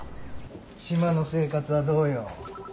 島の生活はどうよ。